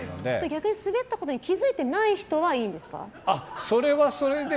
逆にスベったことに気づいてない人はそれはそれで。